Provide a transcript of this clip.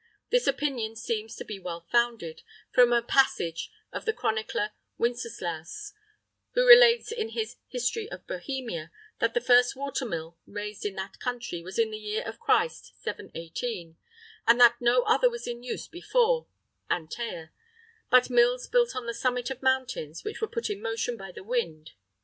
This opinion seems to be well founded, from a passage of the chronicler Winceslaus, who relates, in his "History of Bohemia," that the first watermill raised in that country was in the year of Christ 718, and that no other was in use before (antea) but mills built on the summit of mountains, which were put in motion by the wind.